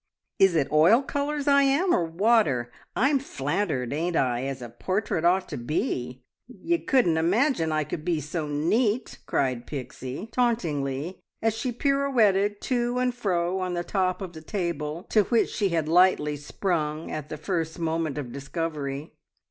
"Is it oil colours I am, or water? I'm flattered, ain't I, as a portrait ought to be? Ye couldn't imagine I could be so neat!" cried Pixie tauntingly, as she pirouetted to and fro on the top of the table, to which she had lightly sprung at the first moment of discovery.